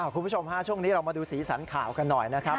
คุณผู้ชมฮะช่วงนี้เรามาดูสีสันข่าวกันหน่อยนะครับ